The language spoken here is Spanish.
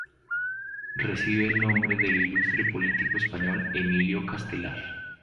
Recibe el nombre del ilustre político español Emilio Castelar.